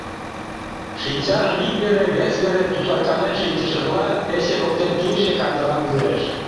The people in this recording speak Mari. Шинчажым ик вере, вес вере тусаркален шинчышыжла, пече воктен кийыше кандырам ужеш.